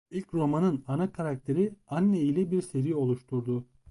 İlk romanın ana karakteri Anne ile bir seri oluşturdu.